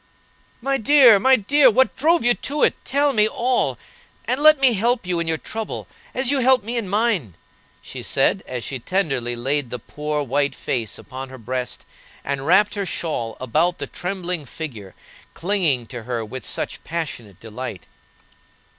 "My dear, my dear, what drove you to it? Tell me all, and let me help you in your trouble, as you helped me in mine," she said, as she tenderly laid the poor, white face upon her breast, and wrapped her shawl about the trembling figure clinging to her with such passionate delight.